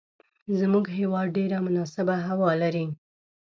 زموږ هیواد ډیره مناسبه هوا لری